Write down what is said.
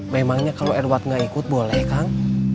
memangnya kalau edward gak ikut boleh kang